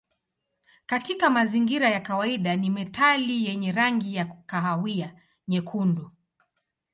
Katika mazingira ya kawaida ni metali yenye rangi ya kahawia nyekundu.